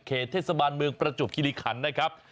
เทศบาลเมืองประจวบคิริขันนะครับ